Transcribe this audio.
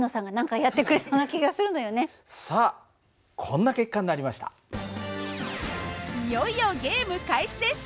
いよいよゲーム開始です。